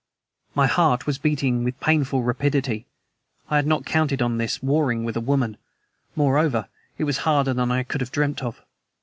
My heart was beating with painful rapidity. I had not counted on this warring with a woman; moreover, it was harder than I could have dreamt of.